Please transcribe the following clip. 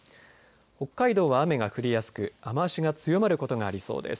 北海道は雨が降りやすく雨足が強まることがありそうです。